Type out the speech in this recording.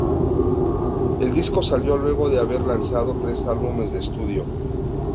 El disco salió luego de haber lanzado tres álbumes de estudio.